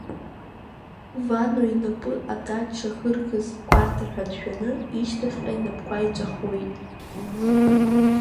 Вано инапы адаҷ шахырхыз гәарҭар ҳәа дшәаны ишьҭахьҟа инапқәа иҵәахуеит.